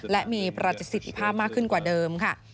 และมีประสิทธิภาพมากขึ้นกว่าเดิมค่ะ